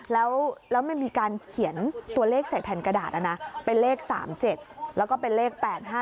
แล้วมันมีการเขียนตัวเลขใส่แผ่นกระดาษเป็นเลข๓๗แล้วก็เป็นเลข๘๕